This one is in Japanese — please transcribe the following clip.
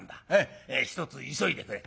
ひとつ急いでくれ」。